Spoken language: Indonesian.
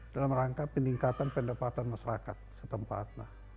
dalam rangka peningkatan pendapatan masyarakat setempat